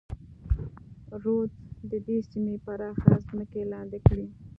رودز د دې سیمې پراخه ځمکې لاندې کړې.